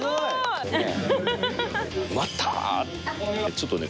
ちょっとね